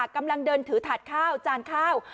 กำลังเดินถือถาดข้าวจานข้าว